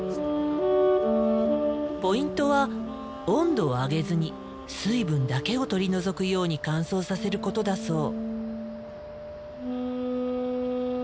ポイントは温度を上げずに水分だけを取り除くように乾燥させることだそう。